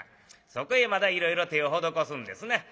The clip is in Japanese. そこへまたいろいろ手を施すんですな。